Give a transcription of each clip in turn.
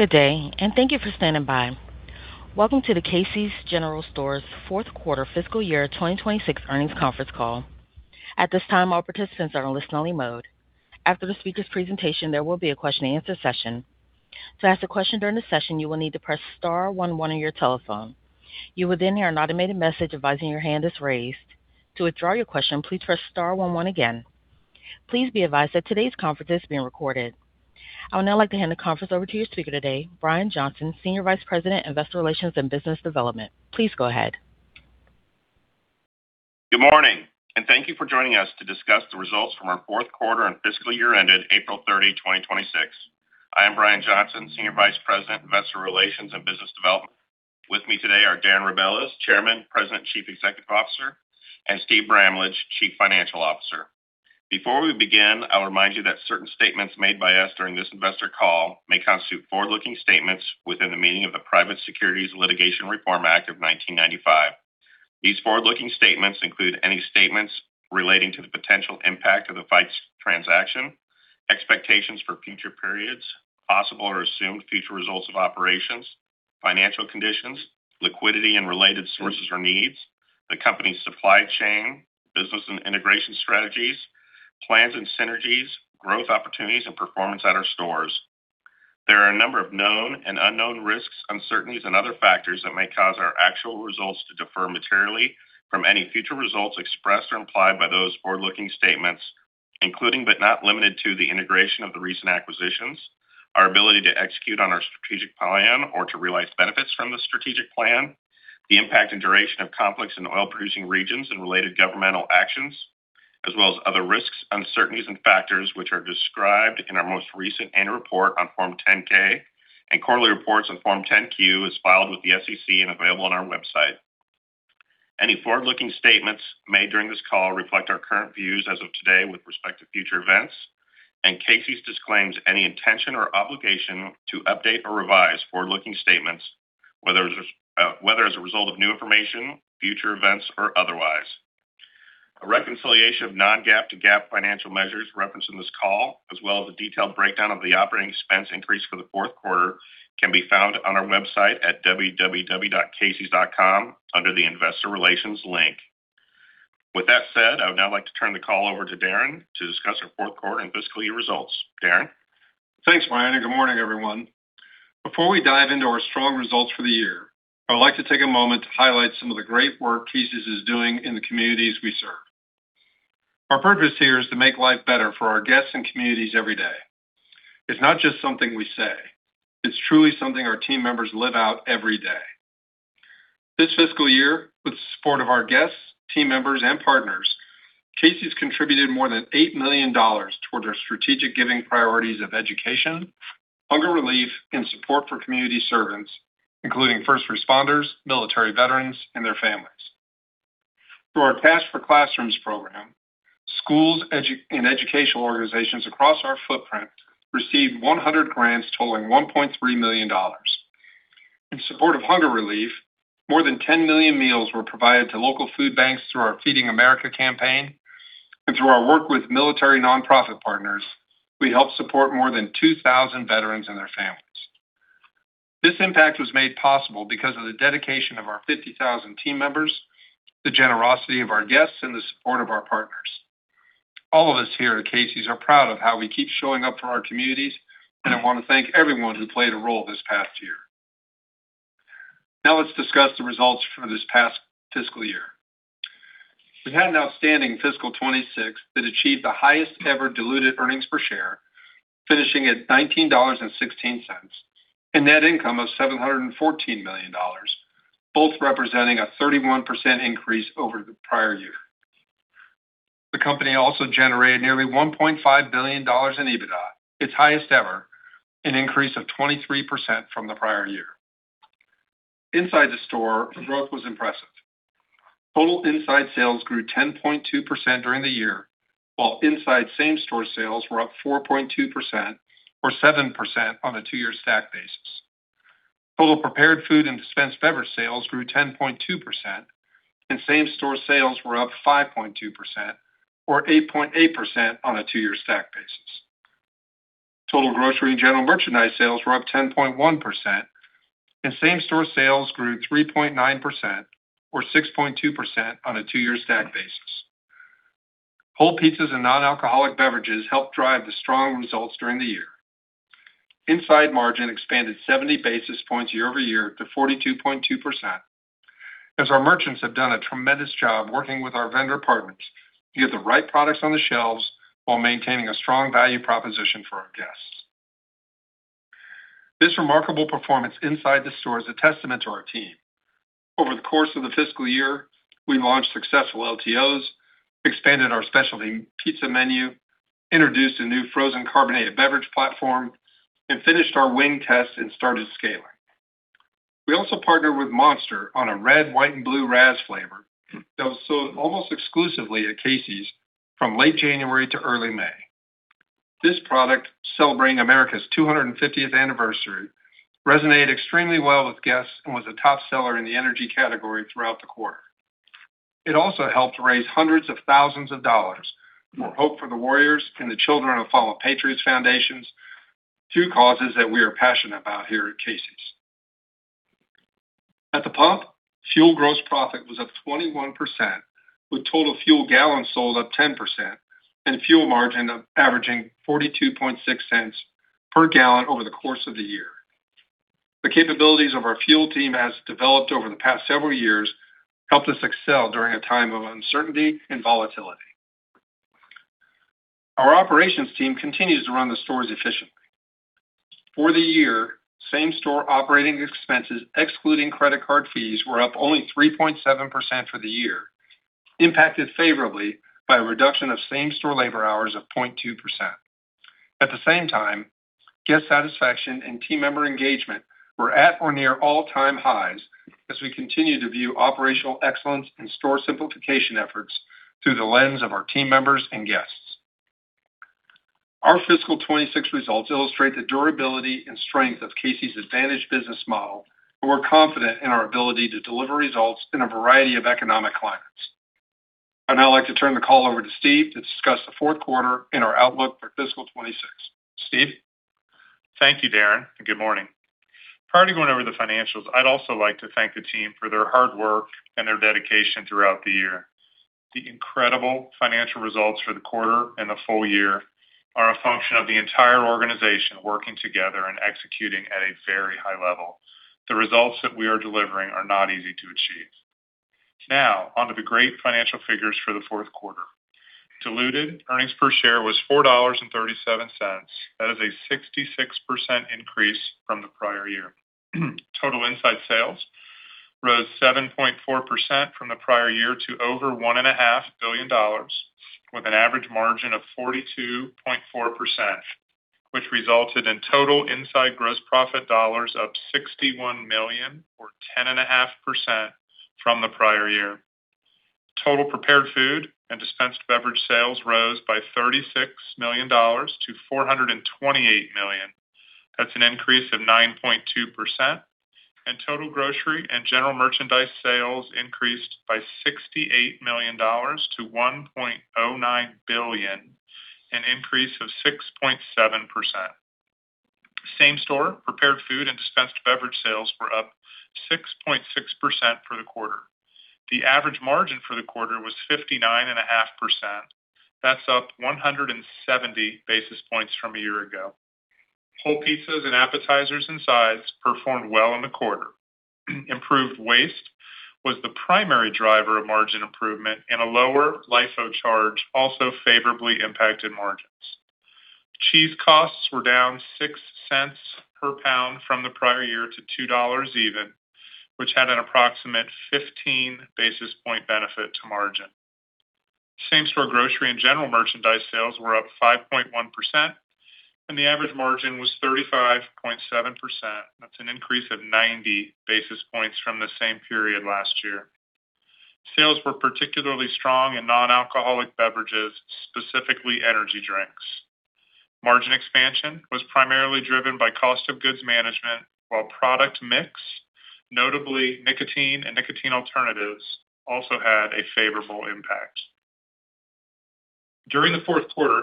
Good day. Thank you for standing by. Welcome to the Casey's General Stores fourth quarter fiscal year 2026 earnings conference call. At this time, all participants are in listen only mode. After the speaker's presentation, there will be a question-and-answer session. To ask a question during the session, you will need to press star one one on your telephone. You will then hear an automated message advising your hand is raised. To withdraw your question, please press star one one again. Please be advised that today's conference is being recorded. I would now like to hand the conference over to your speaker today, Brian Johnson, Senior Vice President, Investor Relations and Business Development. Please go ahead. Good morning. Thank you for joining us to discuss the results from our fourth quarter and fiscal year ended April 30, 2026. I am Brian Johnson, Senior Vice President, Investor Relations and Business Development. With me today are Darren Rebelez, Chairman, President and Chief Executive Officer, and Steve Bramlage, Chief Financial Officer. Before we begin, I will remind you that certain statements made by us during this investor call may constitute forward-looking statements within the meaning of the Private Securities Litigation Reform Act of 1995. These forward-looking statements include any statements relating to the potential impact of the Fikes transaction, expectations for future periods, possible or assumed future results of operations, financial conditions, liquidity and related sources or needs, the company's supply chain, business and integration strategies, plans and synergies, growth opportunities and performance at our stores. There are a number of known and unknown risks, uncertainties and other factors that may cause our actual results to defer materially from any future results expressed or implied by those forward-looking statements, including but not limited to the integration of the recent acquisitions, our ability to execute on our strategic plan or to realize benefits from the strategic plan, the impact and duration of conflicts in oil producing regions and related governmental actions, as well as other risks, uncertainties, and factors which are described in our most recent annual report on Form 10-K and quarterly reports on Form 10-Q, as filed with the SEC and available on our website. Any forward-looking statements made during this call reflect our current views as of today with respect to future events. Casey's disclaims any intention or obligation to update or revise forward-looking statements, whether as a result of new information, future events, or otherwise. A reconciliation of non-GAAP to GAAP financial measures referenced in this call, as well as a detailed breakdown of the Operating Expense increase for the fourth quarter can be found on our website at www.caseys.com under the investor relations link. With that said, I would now like to turn the call over to Darren to discuss our fourth quarter and fiscal year results. Darren? Thanks, Brian, and good morning, everyone. Before we dive into our strong results for the year, I would like to take a moment to highlight some of the great work Casey's is doing in the communities we serve. Our purpose here is to make life better for our guests and communities every day. It's not just something we say, it's truly something our team members live out every day. This fiscal year, with the support of our guests, team members and partners, Casey's contributed more than $8 million towards our strategic giving priorities of education, hunger relief and support for community servants, including first responders, military veterans, and their families. Through our Cash for Classrooms program, schools and educational organizations across our footprint received 100 grants totaling $1.3 million. In support of hunger relief, more than 10 million meals were provided to local food banks through our Feeding America campaign. Through our work with military nonprofit partners, we helped support more than 2,000 veterans and their families. This impact was made possible because of the dedication of our 50,000 team members, the generosity of our guests, and the support of our partners. All of us here at Casey's are proud of how we keep showing up for our communities, and I want to thank everyone who played a role this past year. Now let's discuss the results for this past fiscal year. We had an outstanding fiscal 26 that achieved the highest ever diluted earnings per share, finishing at $19.16, and net income of $714 million, both representing a 31% increase over the prior year. The company also generated nearly $1.5 billion in EBITDA, its highest ever, an increase of 23% from the prior year. Inside the store, the growth was impressive. Total inside sales grew 10.2% during the year, while inside same store sales were up 4.2% or 7% on a two-year stack basis. Total Prepared Food and Dispensed Beverages sales grew 10.2%, same store sales were up 5.2% or 8.8% on a two-year stack basis. Total Grocery and General Merchandise sales were up 10.1%, same store sales grew 3.9% or 6.2% on a two-year stack basis. Whole pizzas and non-alcoholic beverages helped drive the strong results during the year. Inside margin expanded 70 basis points year-over-year to 42.2% as our merchants have done a tremendous job working with our vendor partners to get the right products on the shelves while maintaining a strong value proposition for our guests. This remarkable performance inside the store is a testament to our team. Over the course of the fiscal year, we launched successful LTOs, expanded our specialty pizza menu, introduced a new frozen carbonated beverage platform, and finished our wing test and started scaling. We also partnered with Monster on a Red, White & Blue Razz flavor that was sold almost exclusively at Casey's from late January to early May. This product, celebrating America's 250th anniversary, resonated extremely well with guests and was a top seller in the energy category throughout the quarter. It also helped raise hundreds of thousands of dollars for Hope For The Warriors and the Children of Fallen Patriots Foundation, two causes that we are passionate about here at Casey's. At the pump, fuel gross profit was up 21%, with total fuel gallons sold up 10% and fuel margin averaging $0.426 per gallon over the course of the year. The capabilities of our fuel team, as developed over the past several years, helped us excel during a time of uncertainty and volatility. Our operations team continues to run the stores efficiently. For the year, same-store Operating Expenses, excluding credit card fees, were up only 3.7% for the year, impacted favorably by a reduction of same-store labor hours of 0.2%. At the same time, guest satisfaction and team member engagement were at or near all-time highs as we continue to view operational excellence and store simplification efforts through the lens of our team members and guests. Our fiscal 2026 results illustrate the durability and strength of Casey's advantage business model. We're confident in our ability to deliver results in a variety of economic climates. I'd now like to turn the call over to Steve to discuss the fourth quarter and our outlook for fiscal 2026. Steve? Thank you, Darren. Good morning. Prior to going over the financials, I'd also like to thank the team for their hard work and their dedication throughout the year. The incredible financial results for the quarter and the full year are a function of the entire organization working together and executing at a very high level. The results that we are delivering are not easy to achieve. Now, on to the great financial figures for the fourth quarter. Diluted earnings per share was $4.37. That is a 66% increase from the prior year. Total inside sales rose 7.4% from the prior year to over $1.5 billion, with an average margin of 42.4%, which resulted in total inside gross profit dollars up $61 million, or 10.5% from the prior year. Total Prepared Food and Dispensed Beverage sales rose by $36 million to $428 million. That's an increase of 9.2%. Total Grocery and General Merchandise sales increased by $68 million to $1.09 billion, an increase of 6.7%. Same-store Prepared Food and Dispensed Beverage sales were up 6.6% for the quarter. The average margin for the quarter was 59.5%. That's up 170 basis points from a year ago. Whole pizzas and appetizers and sides performed well in the quarter. Improved waste was the primary driver of margin improvement, and a lower LIFO charge also favorably impacted margins. Cheese costs were down $0.06 per pound from the prior year to $2 even, which had an approximate 15 basis point benefit to margin. Same-store Grocery and General Merchandise sales were up 5.1%, and the average margin was 35.7%. That's an increase of 90 basis points from the same period last year. Sales were particularly strong in non-alcoholic beverages, specifically energy drinks. Margin expansion was primarily driven by cost of goods management, while product mix, notably nicotine and nicotine alternatives, also had a favorable impact. During the fourth quarter,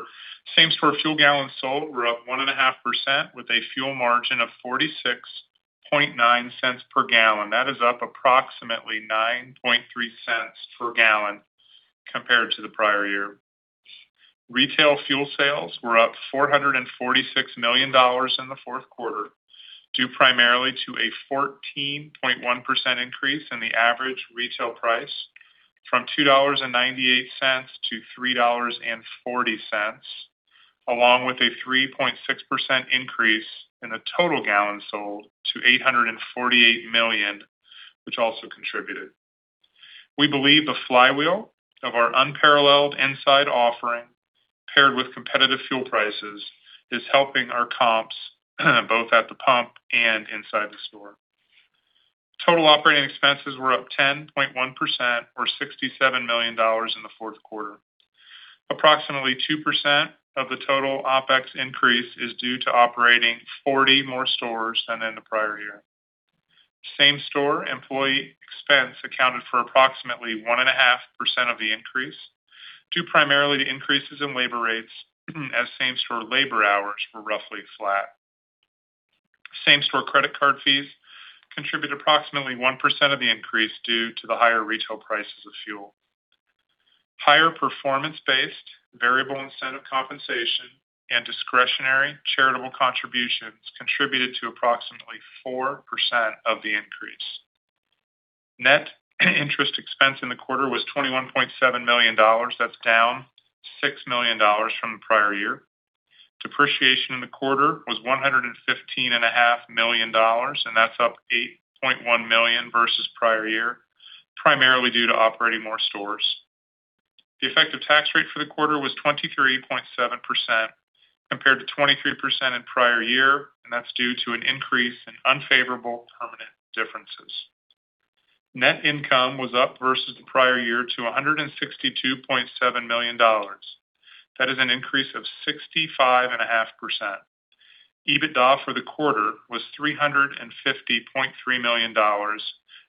same-store fuel gallons sold were up 1.5% with a fuel margin of $0.469 per gallon. That is up approximately $0.093 per gallon compared to the prior year. Retail fuel sales were up $446 million in the fourth quarter, due primarily to a 14.1% increase in the average retail price from $2.98 to $3.40, along with a 3.6% increase in the total gallons sold to 848 million, which also contributed. We believe the flywheel of our unparalleled inside offering, paired with competitive fuel prices, is helping our comps both at the pump and inside the store. Total operating expenses were up 10.1%, or $67 million in the fourth quarter. Approximately 2% of the total OpEx increase is due to operating 40 more stores than in the prior year. Same-store employee expense accounted for approximately 1.5% of the increase, due primarily to increases in labor rates, as same-store labor hours were roughly flat. Same-store credit card fees contribute approximately 1% of the increase due to the higher retail prices of fuel. Higher performance-based variable incentive compensation and discretionary charitable contributions contributed to approximately 4% of the increase. Net interest expense in the quarter was $21.7 million. That's down $6 million from the prior year. Depreciation in the quarter was $115.5 million, and that's up $8.1 million versus the prior year, primarily due to operating more stores. The effective tax rate for the quarter was 23.7%, compared to 23% in the prior year. That's due to an increase in unfavorable permanent differences. Net income was up versus the prior year to $162.7 million. That is an increase of 65.5%. EBITDA for the quarter was $350.3 million,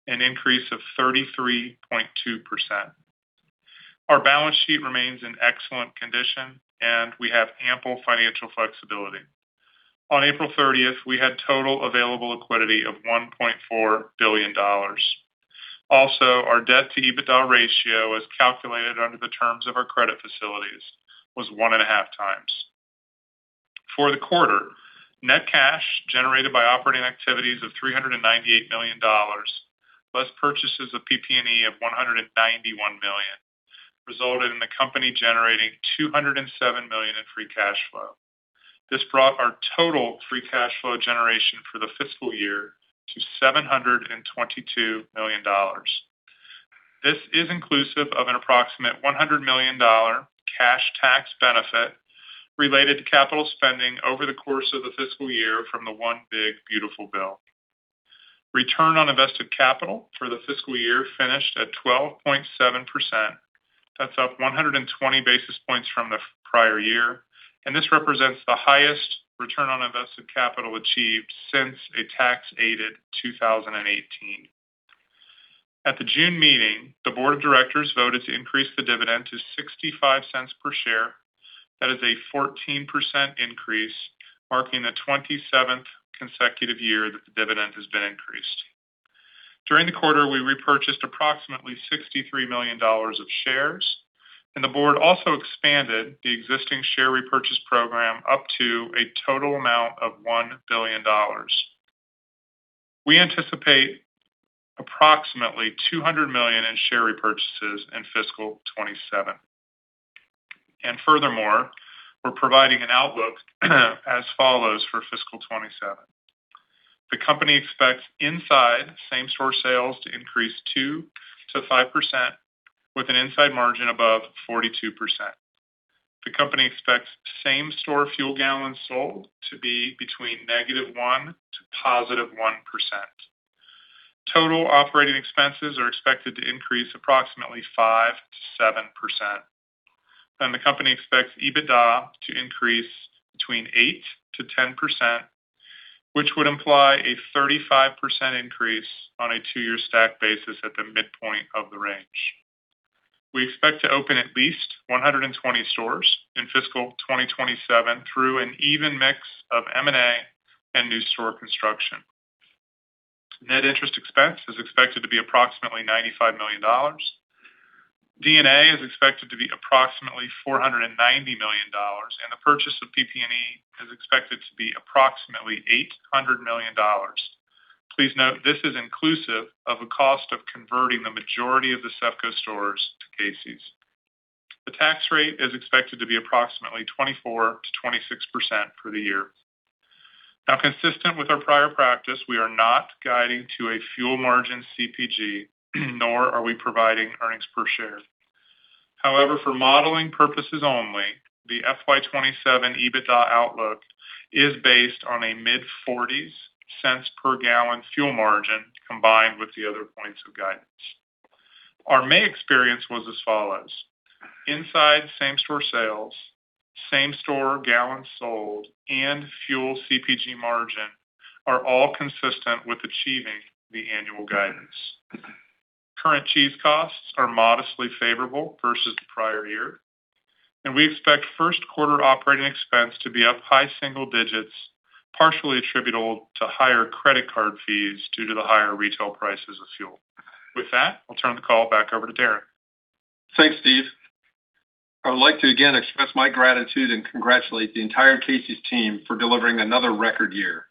an increase of 33.2%. Our balance sheet remains in excellent condition, and we have ample financial flexibility. On April 30th, we had total available liquidity of $1.4 billion. Our debt to EBITDA ratio as calculated under the terms of our credit facilities was one and a half times. For the quarter, net cash generated by operating activities of $398 million plus purchases of PP&E of $191 million resulted in the company generating $207 million in free cash flow. This brought our total free cash flow generation for the fiscal year to $722 million. This is inclusive of an approximate $100 million cash tax benefit related to capital spending over the course of the fiscal year from the One Big Beautiful Bill. Return on invested capital for the fiscal year finished at 12.7%. That's up 120 basis points from the prior year. This represents the highest return on invested capital achieved since a tax-aided 2018. At the June meeting, the board of directors voted to increase the dividend to $0.65 per share. That is a 14% increase, marking the 27th consecutive year that the dividend has been increased. During the quarter, we repurchased approximately $63 million of shares. The board also expanded the existing share repurchase program up to a total amount of $1 billion. We anticipate approximately $200 million in share repurchases in fiscal 2027. We're providing an outlook as follows for fiscal 2027. The company expects inside same-store sales to increase 2% to 5% with an inside margin above 42%. The company expects same-store fuel gallons sold to be between negative 1% to positive 1%. Total operating expenses are expected to increase approximately 5%-7%. The company expects EBITDA to increase between 8%-10%, which would imply a 35% increase on a two-year stack basis at the midpoint of the range. We expect to open at least 120 stores in fiscal 2027 through an even mix of M&A and new store construction. Net interest expense is expected to be approximately $95 million. D&A is expected to be approximately $490 million, and the purchase of PP&E is expected to be approximately $800 million. Please note this is inclusive of a cost of converting the majority of the CEFCO stores to Casey's. The tax rate is expected to be approximately 24%-26% for the year. Consistent with our prior practice, we are not guiding to a fuel margin CPG, nor are we providing earnings per share. For modeling purposes only, the FY 2027 EBITDA outlook is based on a mid-forties cents per gallon fuel margin combined with the other points of guidance. Our May experience was as follows. Inside same-store sales, same-store gallons sold, and fuel CPG margin are all consistent with achieving the annual guidance. Current cheese costs are modestly favorable versus the prior year. We expect first quarter operating expense to be up high single digits, partially attributable to higher credit card fees due to the higher retail prices of fuel. With that, I'll turn the call back over to Darren. Thanks, Steve. I would like to again express my gratitude and congratulate the entire Casey's team for delivering another record year.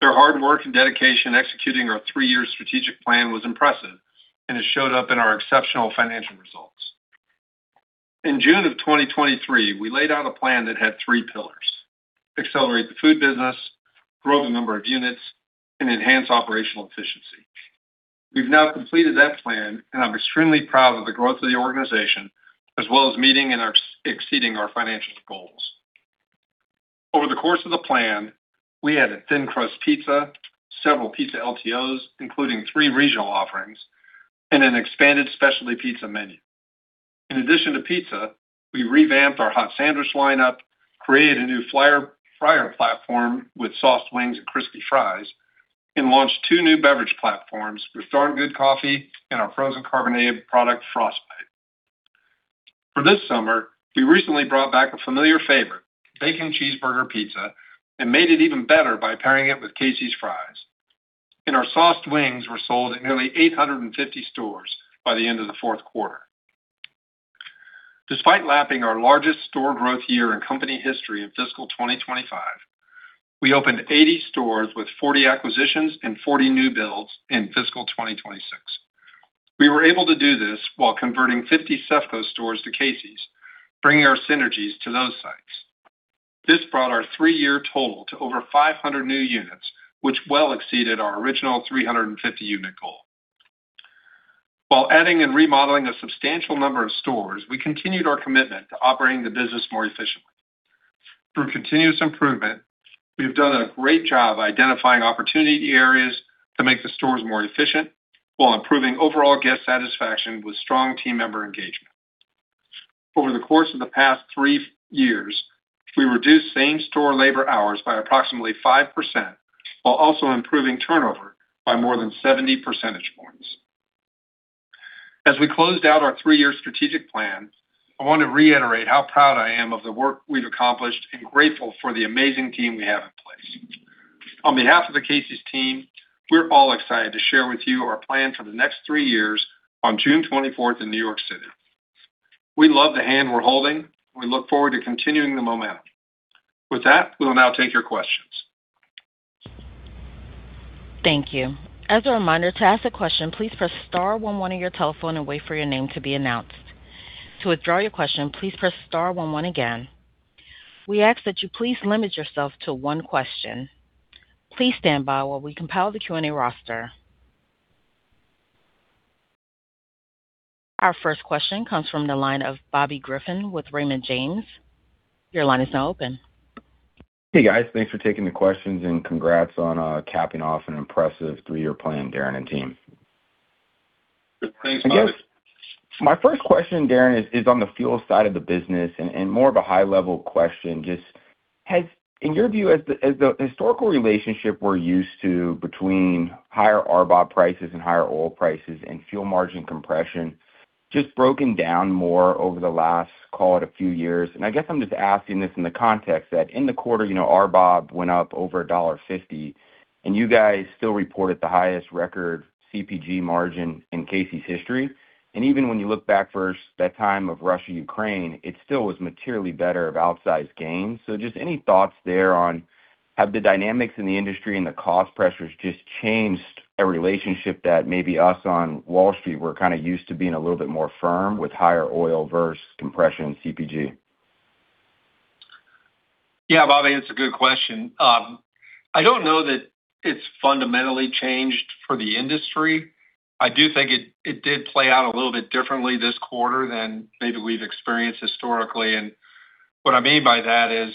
Their hard work and dedication executing our three-year strategic plan was impressive. It showed up in our exceptional financial results. In June of 2023, we laid out a plan that had three pillars: accelerate the food business, grow the number of units, and enhance operational efficiency. We've now completed that plan. I'm extremely proud of the growth of the organization, as well as meeting and exceeding our financial goals. Over the course of the plan, we added thin crust pizza, several pizza LTOs, including three regional offerings, and an expanded specialty pizza menu. In addition to pizza, we revamped our hot sandwich lineup, created a new fryer platform with soft wings and crispy fries. We launched two new beverage platforms with Thornridge Good Coffee and our frozen carbonated product, Frost Bite. For this summer, we recently brought back a familiar favorite, bacon cheeseburger pizza. We made it even better by pairing it with Casey's fries. Our soft wings were sold at nearly 850 stores by the end of the fourth quarter. Despite lapping our largest store growth year in company history in fiscal 2025, we opened 80 stores with 40 acquisitions and 40 new builds in fiscal 2026. We were able to do this while converting 50 CEFCO stores to Casey's, bringing our synergies to those sites. This brought our three-year total to over 500 new units, which well exceeded our original 350-unit goal. While adding and remodeling a substantial number of stores, we continued our commitment to operating the business more efficiently. Through continuous improvement, we have done a great job identifying opportunity areas to make the stores more efficient while improving overall guest satisfaction with strong team member engagement. Over the course of the past three years, we reduced same-store labor hours by approximately 5% while also improving turnover by more than 70 percentage points. As we closed out our three-year strategic plan, I want to reiterate how proud I am of the work we've accomplished and grateful for the amazing team we have in place. On behalf of the Casey's team, we're all excited to share with you our plan for the next three years on June 24th in New York City. We love the hand we're holding. We look forward to continuing the momentum. We will now take your questions. Thank you. To ask a question, please press star one one on your telephone and wait for your name to be announced. Please press star one one again. We ask that you please limit yourself to one question. Please stand by while we compile the Q&A roster. Our first question comes from the line of Bobby Griffin with Raymond James. Your line is now open. Hey, guys. Thanks for taking the questions and congrats on capping off an impressive three-year plan, Darren and team. Thanks, Bobby. I guess my first question, Darren, is on the fuel side of the business and more of a high-level question. Just has, in your view, as the historical relationship we're used to between higher RBOB prices and higher oil prices and fuel margin compression just broken down more over the last, call it, a few years? I guess I'm just asking this in the context that in the quarter, RBOB went up over $1.50, you guys still reported the highest record CPG margin in Casey's history. Even when you look back first that time of Russia-Ukraine, it still was materially better of outsized gains. Just any thoughts there on have the dynamics in the industry and the cost pressures just changed a relationship that maybe us on Wall Street were kind of used to being a little bit more firm with higher oil versus compression CPG? Yeah, Bobby, that's a good question. I don't know that it's fundamentally changed for the industry. I do think it did play out a little bit differently this quarter than maybe we've experienced historically. What I mean by that is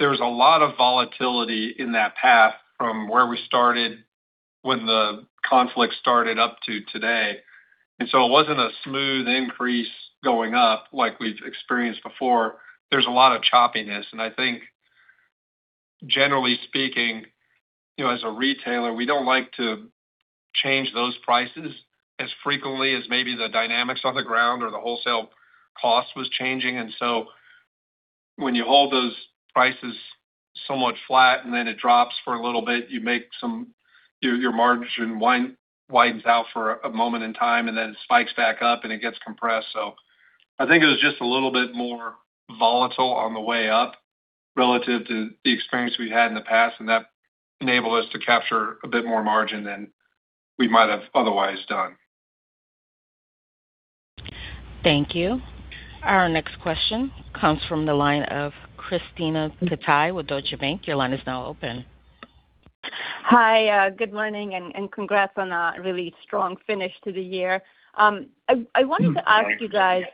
there was a lot of volatility in that path from where we started when the conflict started up to today. It wasn't a smooth increase going up like we've experienced before. There's a lot of choppiness, I think generally speaking, as a retailer, we don't like to change those prices as frequently as maybe the dynamics on the ground or the wholesale cost was changing. When you hold those prices somewhat flat and then it drops for a little bit, your margin widens out for a moment in time, then spikes back up and it gets compressed. I think it was just a little bit more volatile on the way up relative to the experience we had in the past, that enabled us to capture a bit more margin than we might have otherwise done. Thank you. Our next question comes from the line of Krisztina Katai with Deutsche Bank. Your line is now open. Hi, good morning, congrats on a really strong finish to the year. I wanted to ask you guys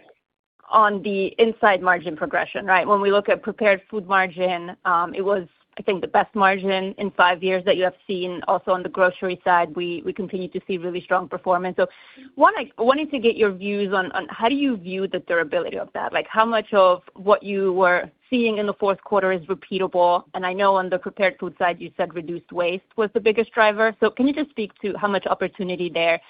on the inside margin progression, right? When we look at Prepared Food margin, it was, I think, the best margin in five years that you have seen. Also on the grocery side, we continue to see really strong performance. Wanting to get your views on how do you view the durability of that? How much of what you were seeing in the fourth quarter is repeatable? I know on the Prepared Food side, you said reduced waste was the biggest driver. Can you just speak to how much opportunity there,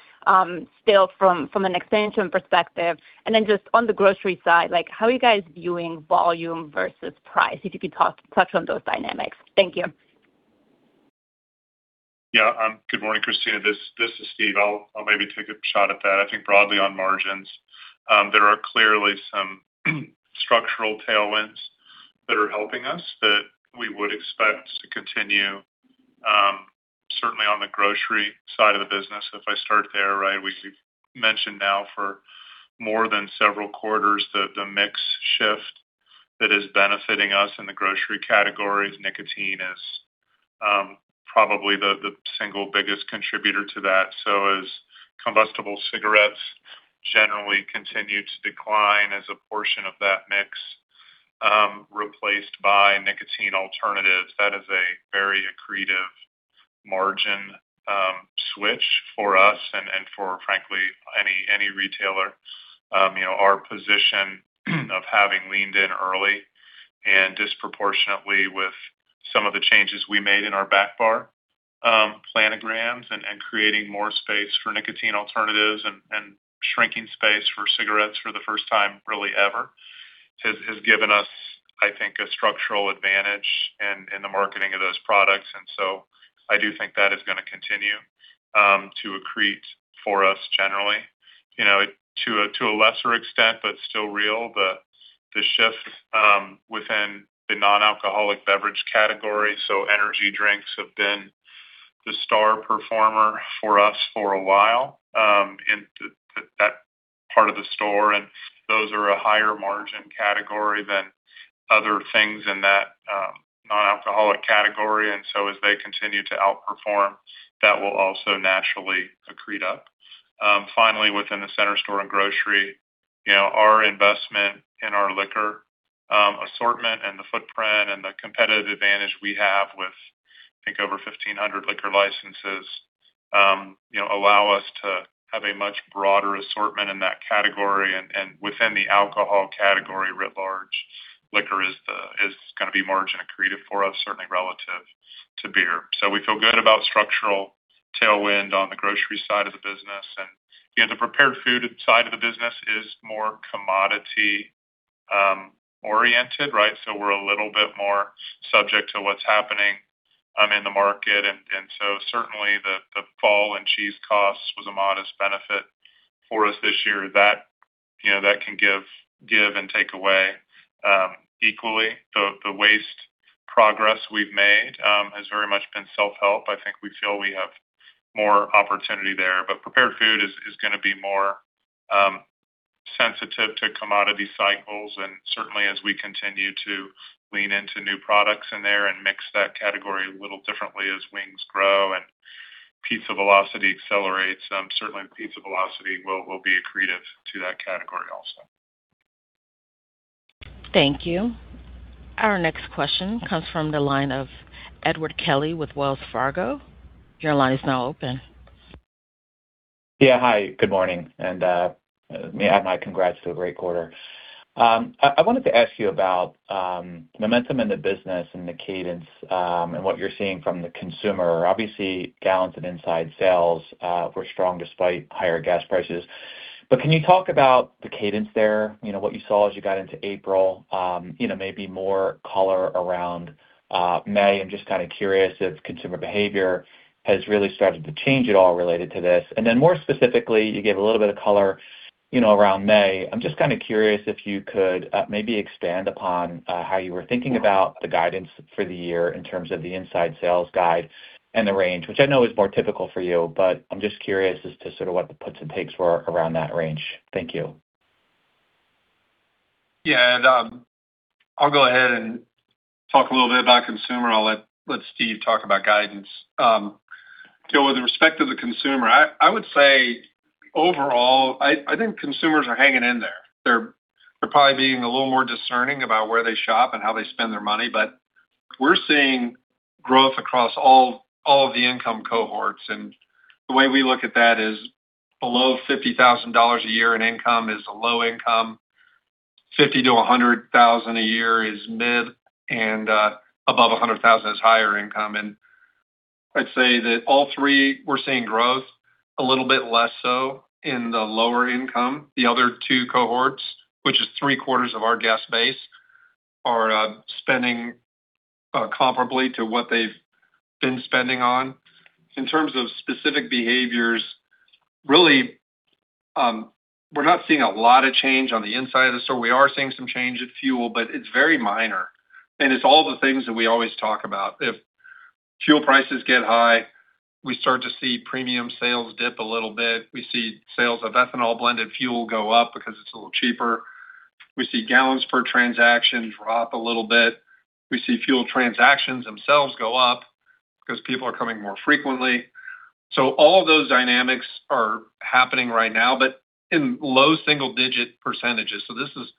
still from an expansion perspective? Then just on the grocery side, how are you guys viewing volume versus price? If you could touch on those dynamics. Thank you. Yeah. Good morning, Krisztina. This is Steve. I'll maybe take a shot at that. I think broadly on margins, there are clearly some structural tailwinds that are helping us that we would expect to continue, certainly on the grocery side of the business. If I start there, right, we've mentioned now for more than several quarters the mix shift that is benefiting us in the grocery categories. Nicotine is probably the single biggest contributor to that. As combustible cigarettes generally continue to decline as a portion of that mix, replaced by nicotine alternatives, that is a very accretive margin switch for us and for, frankly, any retailer. Our position of having leaned in early and disproportionately with some of the changes we made in our back bar planograms and creating more space for nicotine alternatives and shrinking space for cigarettes for the first time really ever, has given us, I think, a structural advantage in the marketing of those products. I do think that is going to continue to accrete for us generally. To a lesser extent, but still real, the shift within the non-alcoholic beverage category. Energy drinks have been the star performer for us for a while in that part of the store, and those are a higher margin category than other things in that non-alcoholic category. As they continue to outperform, that will also naturally accrete up. Finally, within the center store and grocery, our investment in our liquor assortment and the footprint and the competitive advantage we have with I think over 1,500 liquor licenses allow us to have a much broader assortment in that category. Within the alcohol category writ large, liquor is going to be margin accretive for us, certainly relative to beer. We feel good about structural tailwind on the grocery side of the business. The prepared food side of the business is more commodity oriented, right? We're a little bit more subject to what's happening in the market. Certainly the fall in cheese costs was a modest benefit for us this year. That can give and take away equally. The waste progress we've made has very much been self-help. I think we feel we have more opportunity there. Prepared food is going to be more sensitive to commodity cycles and certainly as we continue to lean into new products in there and mix that category a little differently as wings grow and pizza velocity accelerates. Certainly pizza velocity will be accretive to that category also. Thank you. Our next question comes from the line of Edward Kelly with Wells Fargo. Your line is now open. Yeah, hi, good morning. May I add my congrats to a great quarter. I wanted to ask you about momentum in the business and the cadence, and what you're seeing from the consumer. Obviously, gallons and inside sales were strong despite higher gas prices. Can you talk about the cadence there, what you saw as you got into April? Maybe more color around May. I'm just kind of curious if consumer behavior has really started to change at all related to this. More specifically, you gave a little bit of color around May. I'm just kind of curious if you could maybe expand upon how you were thinking about the guidance for the year in terms of the inside sales guide and the range, which I know is more typical for you, but I'm just curious as to sort of what the puts and takes were around that range. Thank you. Yeah. I'll go ahead and talk a little bit about consumer. I'll let Steve talk about guidance. With respect to the consumer, I would say overall, I think consumers are hanging in there. They're probably being a little more discerning about where they shop and how they spend their money. We're seeing growth across all of the income cohorts, and the way we look at that is below $50,000 a year in income is a low income, $50,000-$100,000 a year is mid, and above $100,000 is higher income. I'd say that all three, we're seeing growth, a little bit less so in the lower income. The other two cohorts, which is three-quarters of our guest base, are spending comparably to what they've been spending on. In terms of specific behaviors, really, we're not seeing a lot of change on the inside of the store. We are seeing some change at fuel, but it's very minor, and it's all the things that we always talk about. If fuel prices get high, we start to see premium sales dip a little bit. We see sales of ethanol-blended fuel go up because it's a little cheaper. We see gallons per transaction drop a little bit. We see fuel transactions themselves go up because people are coming more frequently. All of those dynamics are happening right now, but in low single-digit percentages. This is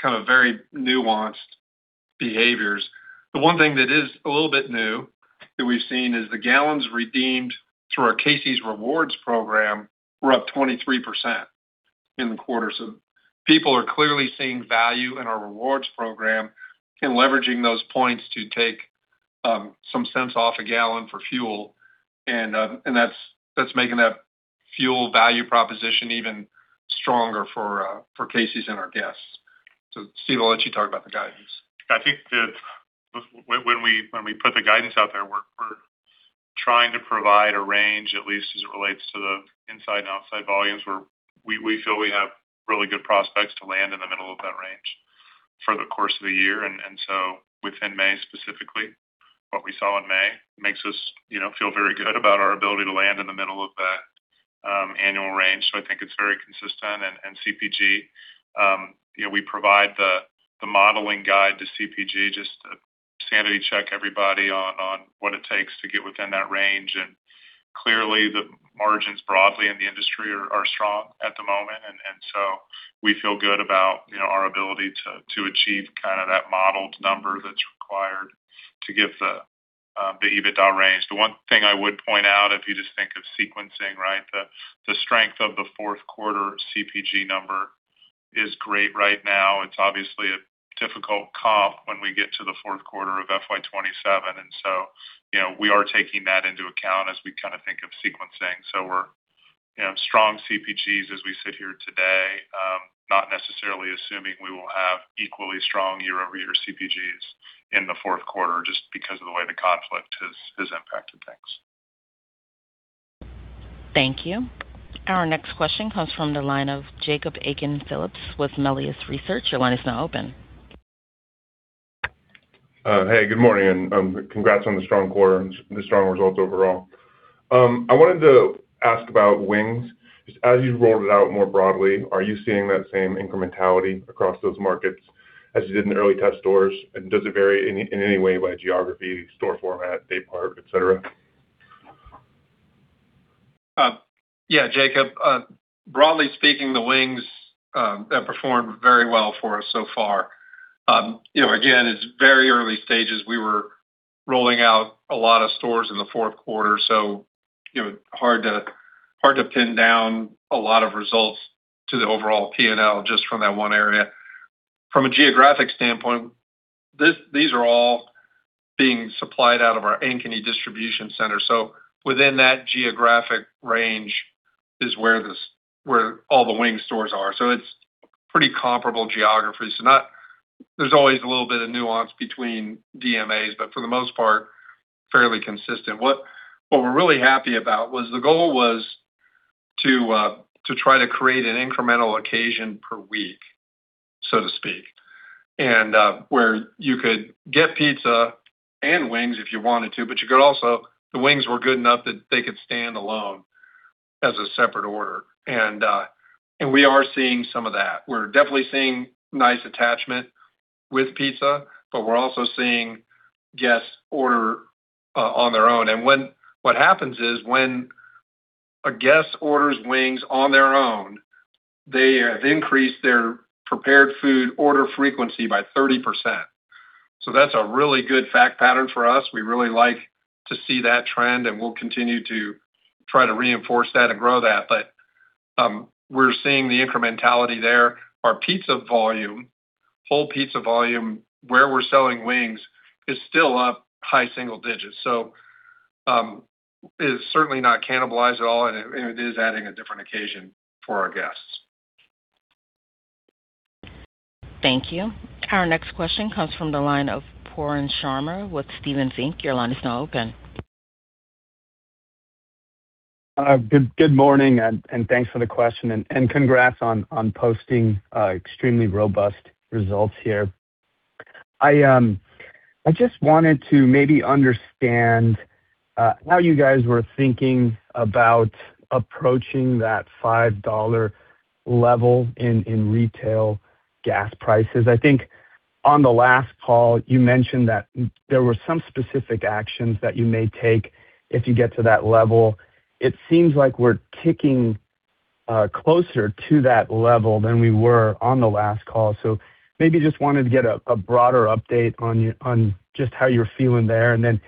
kind of very nuanced behaviors. The one thing that is a little bit new that we've seen is the gallons redeemed through our Casey's Rewards program were up 23% in the quarter. People are clearly seeing value in our rewards program and leveraging those points to take some cents off a gallon for fuel, and that's making that fuel value proposition even stronger for Casey's and our guests. Steve, I'll let you talk about the guidance. I think that when we put the guidance out there, we're trying to provide a range, at least as it relates to the inside and outside volumes, where we feel we have really good prospects to land in the middle of that range for the course of the year. Within May, specifically, what we saw in May makes us feel very good about our ability to land in the middle of that annual range. I think it's very consistent. CPG, we provide the modeling guide to CPG just to sanity check everybody on what it takes to get within that range. Clearly, the margins broadly in the industry are strong at the moment, and so we feel good about our ability to achieve that modeled number that's required to give the EBITDA range. The one thing I would point out, if you just think of sequencing, right? The strength of the fourth quarter CPG number is great right now. It's obviously a difficult comp when we get to the fourth quarter of FY 2027. We are taking that into account as we kind of think of sequencing. We're strong CPGs as we sit here today, not necessarily assuming we will have equally strong year-over-year CPGs in the fourth quarter just because of the way the conflict has impacted things. Thank you. Our next question comes from the line of Jacob Aiken-Phillips with Melius Research. Your line is now open. Hey, good morning, and congrats on the strong quarter and the strong results overall. I wanted to ask about wings. Just as you've rolled it out more broadly, are you seeing that same incrementality across those markets as you did in the early test stores? Does it vary in any way by geography, store format, day part, et cetera? Yeah, Jacob, broadly speaking, the wings have performed very well for us so far. Again, it's very early stages. We were rolling out a lot of stores in the fourth quarter, hard to pin down a lot of results to the overall P&L just from that one area. From a geographic standpoint, these are all being supplied out of our Ankeny distribution center. Within that geographic range is where all the wing stores are. It's pretty comparable geographies. There's always a little bit of nuance between DMAs, for the most part, fairly consistent. What we're really happy about was the goal was to try to create an incremental occasion per week, so to speak, and where you could get pizza and wings if you wanted to, but you could also, the wings were good enough that they could stand alone as a separate order. We are seeing some of that. We're definitely seeing nice attachment with pizza, but we're also seeing guests order on their own. What happens is when a guest orders wings on their own, they have increased their Prepared Food order frequency by 30%. That's a really good fact pattern for us. We really like to see that trend, and we'll continue to try to reinforce that and grow that. We're seeing the incrementality there. Our pizza volume, whole pizza volume, where we're selling wings, is still up high single digits. It's certainly not cannibalized at all, and it is adding a different occasion for our guests. Thank you. Our next question comes from the line of Pooran Sharma with Stephens Inc. Your line is now open. Good morning. Thanks for the question. Congrats on posting extremely robust results here. I just wanted to maybe understand how you guys were thinking about approaching that $5 level in retail gas prices. I think on the last call, you mentioned that there were some specific actions that you may take if you get to that level. It seems like we're ticking closer to that level than we were on the last call. Maybe just wanted to get a broader update on just how you're feeling there, and then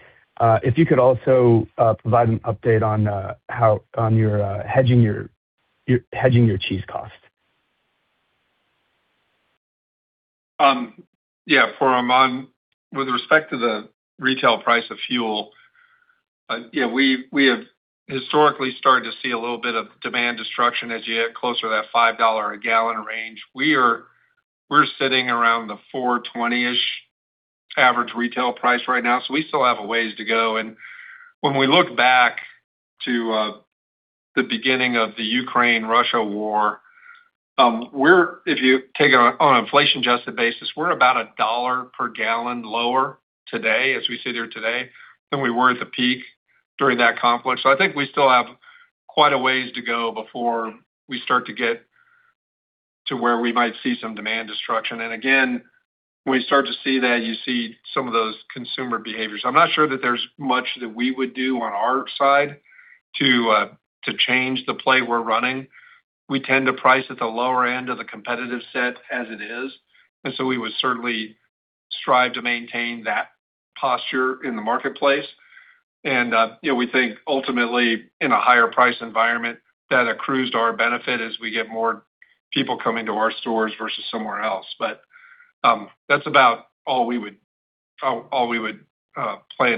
if you could also provide an update on your hedging your cheese cost. Yeah. Pooran, with respect to the retail price of fuel, we have historically started to see a little bit of demand destruction as you get closer to that $5 a gallon range. We're sitting around the $4.20-ish average retail price right now. We still have a ways to go. When we look back to the beginning of the Ukraine-Russia war, if you take it on an inflation-adjusted basis, we're about a dollar per gallon lower today as we sit here today than we were at the peak during that conflict. I think we still have quite a ways to go before we start to get to where we might see some demand destruction. Again, when you start to see that, you see some of those consumer behaviors. I'm not sure that there's much that we would do on our side to change the play we're running. We tend to price at the lower end of the competitive set as it is. We would certainly strive to maintain that posture in the marketplace. We think ultimately in a higher price environment, that accrues to our benefit as we get more people coming to our stores versus somewhere else. That's about all we would plan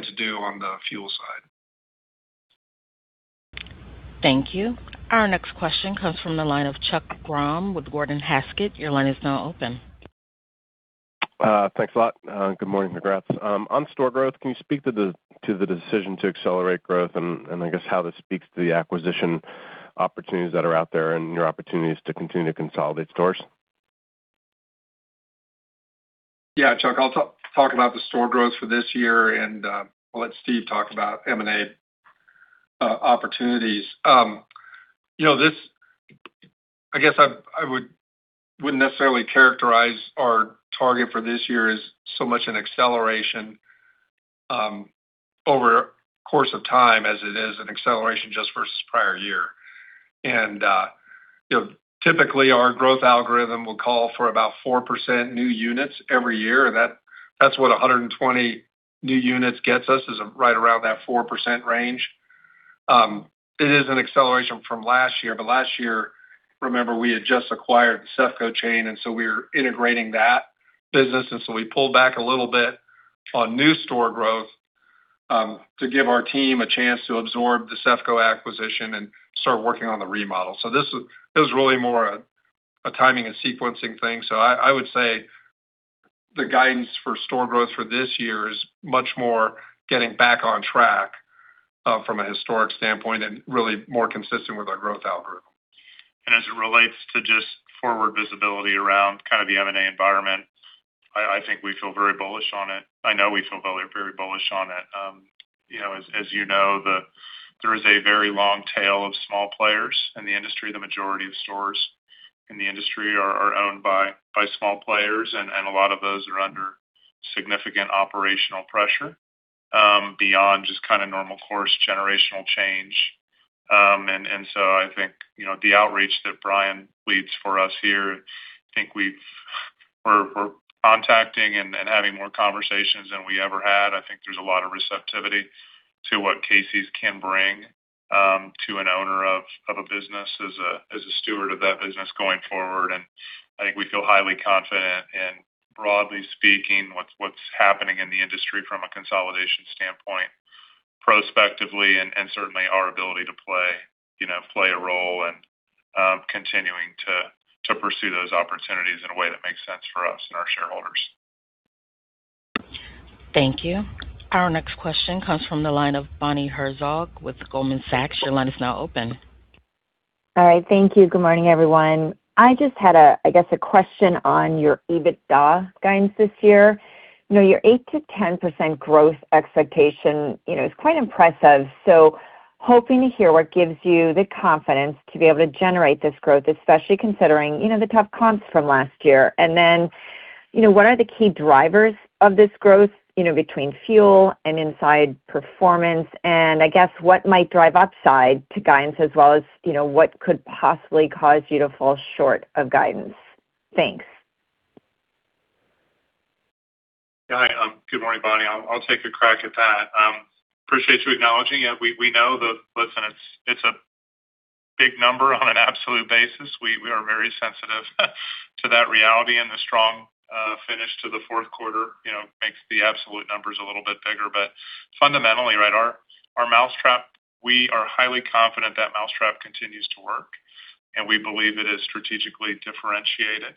to do on the fuel side. Thank you. Our next question comes from the line of Chuck Grom with Gordon Haskett. Your line is now open. Thanks a lot. Good morning. On store growth, can you speak to the decision to accelerate growth and I guess how this speaks to the acquisition opportunities that are out there and your opportunities to continue to consolidate stores? Yeah, Chuck, I'll talk about the store growth for this year, I'll let Steve talk about M&A opportunities. I guess I wouldn't necessarily characterize our target for this year as so much an acceleration over the course of time as it is an acceleration just versus prior year. Typically, our growth algorithm will call for about 4% new units every year. That's what 120 new units gets us is right around that 4% range. It is an acceleration from last year, but last year, remember, we had just acquired the CEFCO chain. We were integrating that business. We pulled back a little bit on new store growth to give our team a chance to absorb the CEFCO acquisition and start working on the remodel. This was really more a timing and sequencing thing. I would say the guidance for store growth for this year is much more getting back on track from a historic standpoint and really more consistent with our growth algorithm. As it relates to just forward visibility around kind of the M&A environment, I think we feel very bullish on it. I know we feel very bullish on it. As you know, there is a very long tail of small players in the industry. The majority of stores in the industry are owned by small players, and a lot of those are under significant operational pressure, beyond just kind of normal course generational change. I think, the outreach that Brian leads for us here, I think we're contacting and having more conversations than we ever had. I think there's a lot of receptivity to what Casey's can bring to an owner of a business as a steward of that business going forward. I think we feel highly confident in, broadly speaking, what's happening in the industry from a consolidation standpoint prospectively and certainly our ability to play a role and continuing to pursue those opportunities in a way that makes sense for us and our shareholders. Thank you. Our next question comes from the line of Bonnie Herzog with Goldman Sachs. Your line is now open. All right. Thank you. Good morning, everyone. I just had, I guess, a question on your EBITDA guidance this year. Your 8%-10% growth expectation is quite impressive. Hoping to hear what gives you the confidence to be able to generate this growth, especially considering the tough comps from last year. What are the key drivers of this growth, between fuel and inside performance? I guess what might drive upside to guidance as well as what could possibly cause you to fall short of guidance? Thanks. Hi, good morning, Bonnie. I'll take a crack at that. Appreciate you acknowledging it. We know that, listen, it's a big number on an absolute basis. We are very sensitive to that reality, and the strong finish to the fourth quarter makes the absolute numbers a little bit bigger. Fundamentally, our mousetrap, we are highly confident that mousetrap continues to work, and we believe it is strategically differentiated.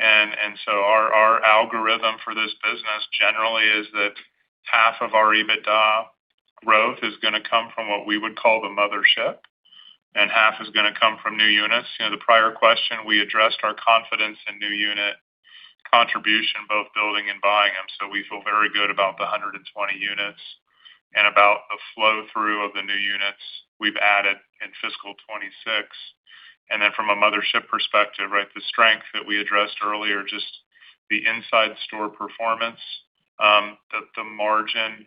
Our algorithm for this business generally is that half of our EBITDA growth is going to come from what we would call the mothership and half is going to come from new units. The prior question, we addressed our confidence in new unit contribution, both building and buying them. We feel very good about the 120 units and about the flow-through of the new units we've added in FY 2026. From a mothership perspective, the strength that we addressed earlier, just the inside store performance, the margin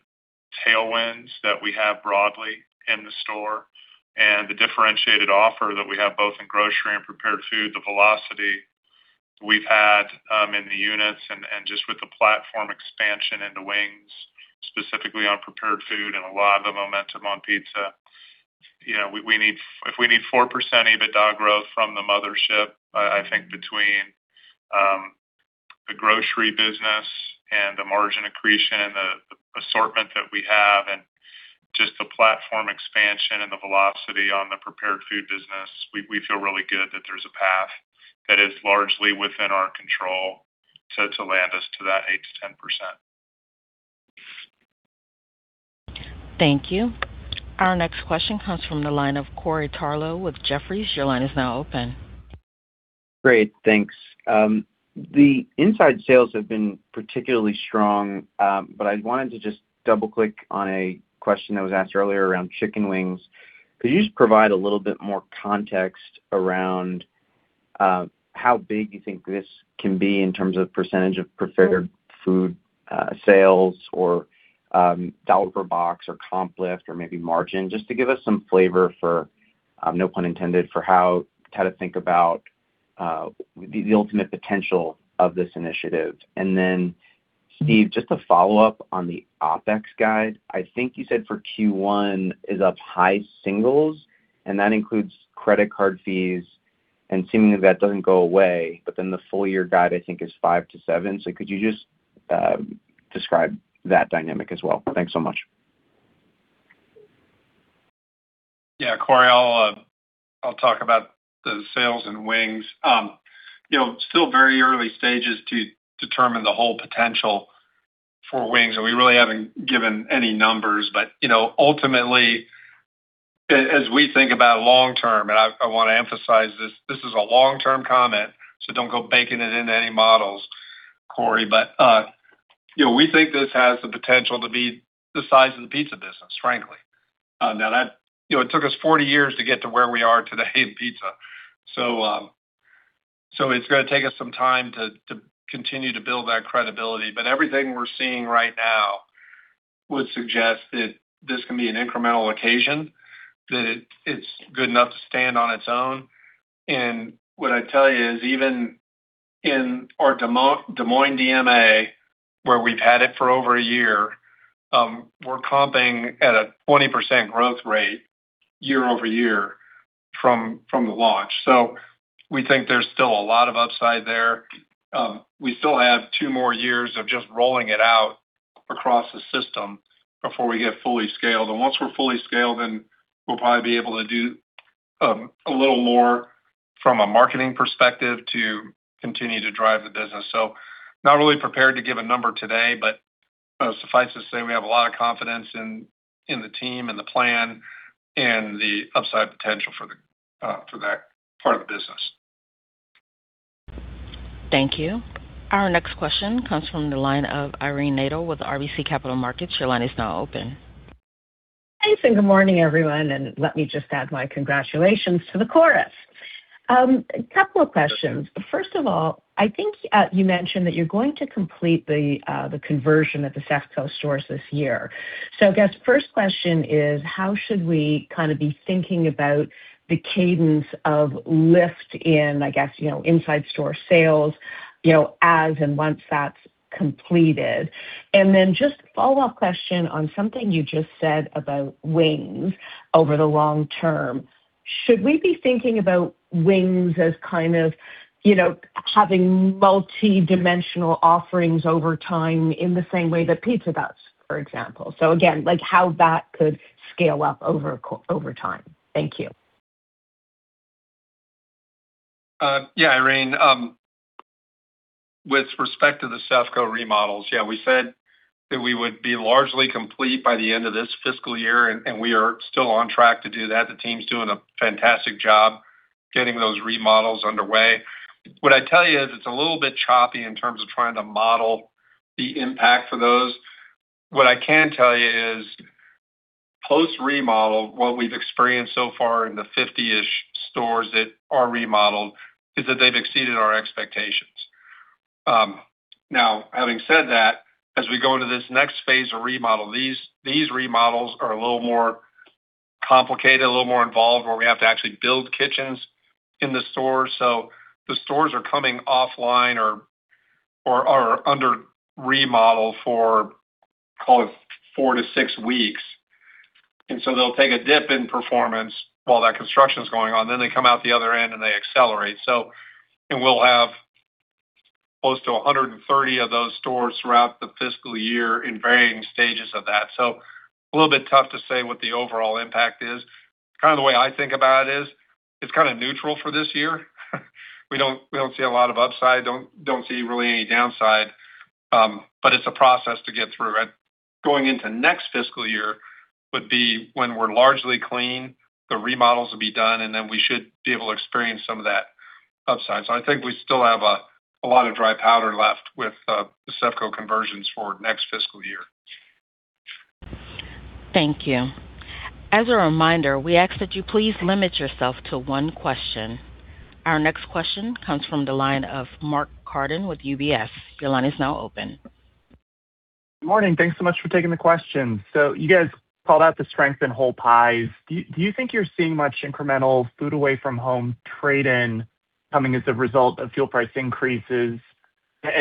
tailwinds that we have broadly in the store, and the differentiated offer that we have both in Grocery and Prepared Food, the velocity we've had in the units and just with the platform expansion into wings, specifically on Prepared Food and a lot of the momentum on pizza. If we need 4% EBITDA growth from the mothership, I think between the grocery business and the margin accretion, the assortment that we have and just the platform expansion and the velocity on the Prepared Food business, we feel really good that there's a path that is largely within our control to land us to that 8%-10%. Thank you. Our next question comes from the line of Corey Tarlowe with Jefferies. Your line is now open. Great. Thanks. The inside sales have been particularly strong, I wanted to just double-click on a question that was asked earlier around chicken wings. Could you just provide a little bit more context around how big you think this can be in terms of percentage of Prepared Food sales or $ per box or comp lift or maybe margin, just to give us some flavor for, no pun intended, for how to think about the ultimate potential of this initiative. Steve, just to follow up on the OpEx guide. I think you said for Q1 is up high singles, that includes credit card fees, and seemingly that doesn't go away. The full year guide, I think is 5%-7%. Could you just describe that dynamic as well? Thanks so much. Yeah. Corey, I'll talk about the sales and wings. Still very early stages to determine the whole potential for wings, and we really haven't given any numbers. Ultimately, as we think about long term, and I want to emphasize this is a long term comment, so don't go baking it into any models, Corey. We think this has the potential to be the size of the pizza business, frankly. Now that it took us 40 years to get to where we are today in pizza. It's going to take us some time to continue to build that credibility. Everything we're seeing right now would suggest that this can be an incremental occasion, that it's good enough to stand on its own. What I'd tell you is even in our Des Moines DMA, where we've had it for over a year, we're comping at a 20% growth rate year-over-year from the launch. We think there's still a lot of upside there. We still have two more years of just rolling it out across the system before we get fully scaled. Once we're fully scaled, we'll probably be able to do a little more from a marketing perspective to continue to drive the business. Not really prepared to give a number today, suffice to say, we have a lot of confidence in the team and the plan and the upside potential for that part of the business. Thank you. Our next question comes from the line of Irene Nattel with RBC Capital Markets. Your line is now open. Thanks, good morning, everyone, let me just add my congratulations to the chorus. A couple of questions. First of all, I think you mentioned that you're going to complete the conversion of the CEFCO stores this year. I guess first question is, how should we be thinking about the cadence of lift in, I guess, inside store sales, as in once that's completed? Just a follow-up question on something you just said about wings over the long term. Should we be thinking about wings as kind of having multi-dimensional offerings over time in the same way that Pizza Hut's, for example? Again, like how that could scale up over time. Thank you. Irene, with respect to the CEFCO remodels, we said that we would be largely complete by the end of this fiscal year, and we are still on track to do that. The team's doing a fantastic job getting those remodels underway. What I'd tell you is it's a little bit choppy in terms of trying to model the impact for those. What I can tell you is post remodel, what we've experienced so far in the 50-ish stores that are remodeled is that they've exceeded our expectations. Now, having said that, as we go into this next phase of remodel, these remodels are a little more complicated, a little more involved, where we have to actually build kitchens in the stores. The stores are coming offline or are under remodel for, call it four to six weeks. They'll take a dip in performance while that construction's going on, then they come out the other end, and they accelerate. We'll have close to 130 of those stores throughout the fiscal year in varying stages of that. A little bit tough to say what the overall impact is. Kind of the way I think about it is it's kind of neutral for this year. We don't see a lot of upside, don't see really any downside. It's a process to get through. Going into next fiscal year would be when we're largely clean, the remodels will be done, and then we should be able to experience some of that upside. I think we still have a lot of dry powder left with the CEFCO conversions for next fiscal year. Thank you. As a reminder, we ask that you please limit yourself to one question. Our next question comes from the line of Mark Carden with UBS. Your line is now open. Good morning. Thanks so much for taking the question. You guys called out the strength in whole pies. Do you think you're seeing much incremental food away from home trade-in coming as a result of fuel price increases?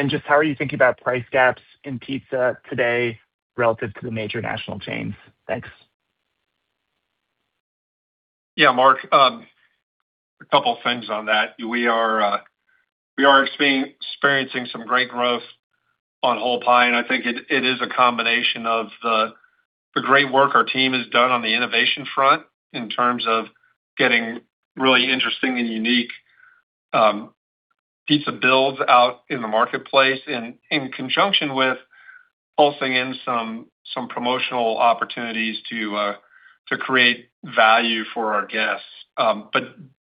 Just how are you thinking about price gaps in pizza today relative to the major national chains? Thanks. Yeah, Mark. A couple of things on that. We are experiencing some great growth on whole pie, I think it is a combination of the great work our team has done on the innovation front in terms of getting really interesting and unique pizza builds out in the marketplace in conjunction with pulsing in some promotional opportunities to create value for our guests.